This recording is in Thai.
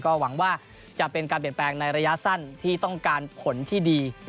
ก็หวังว่าจะเป็นการเปลี่ยนแปลงในระยะสั้นที่ต้องการผลที่ดี